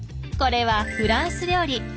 これはフランス料理。